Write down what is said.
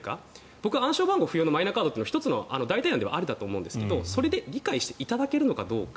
僕は暗証番号不要のカードは１つの代替案だと思いますがそれで理解していただけるのかどうか。